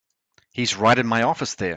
He's right in my office there.